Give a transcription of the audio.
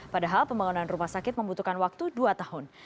padahal pembangunan rumah sakit membutuhkan waktu dua tahun